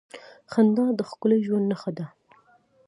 • خندا د ښکلي ژوند نښه ده.